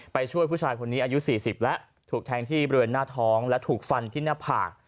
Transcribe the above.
ไปช่วยผู้ชายคนนี้อายุ๔๐แล้วถูกแทงที่บริเวณหน้าท้องและถูกฟันที่หน้าผาก